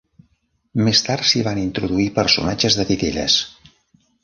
Més tard s'hi van introduir personatges de titelles.